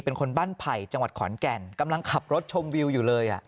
เป็นคนบ้านไผ่จังหวัดขอนแก่นกำลังขับรถชมวิวอยู่เลย